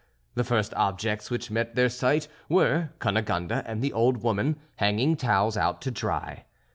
The first objects which met their sight were Cunegonde and the old woman hanging towels out to dry.